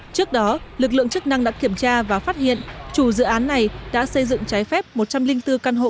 trước đó lực lượng chức năng đã kiểm tra và phát hiện chủ dự án này đã xây dựng trái phép một trăm linh bốn căn hộ